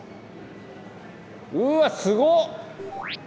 うわっすごっ！